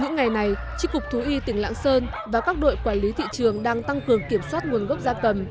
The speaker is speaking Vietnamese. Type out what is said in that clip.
những ngày này tri cục thú y tỉnh lạng sơn và các đội quản lý thị trường đang tăng cường kiểm soát nguồn gốc gia cầm